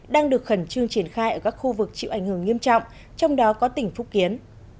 đang được khẩn trương triển khai ở các khu vực chịu ảnh hưởng nghiêm trọng trong đó có tỉnh phúc kiến